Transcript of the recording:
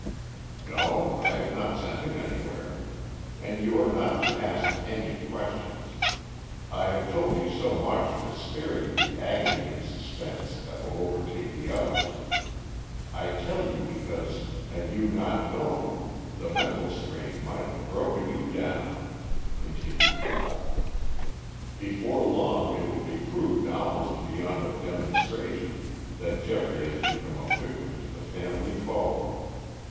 "No, I have not sent him anywhere. And you are not to ask any questions. I have told you so much to spare you the agony and suspense that will overtake the others. I tell you because had you not known, the mental strain might have broken you down," continued Ralph. "Before long it will be proved almost beyond a demonstration that Geoffrey has become a victim to the family foe.